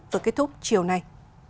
và kết thúc chiều nay